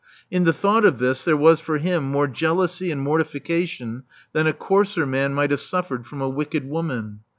In the thought of this there was for him more jealousy and mortification than a coarser man might have suffered from a wicked woman.